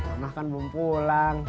karena kan belum pulang